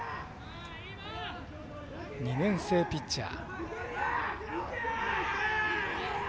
２年生ピッチャー。